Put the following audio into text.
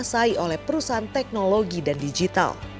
yang saat ini dikuasai oleh perusahaan teknologi dan digital